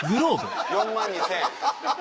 ４万２０００円。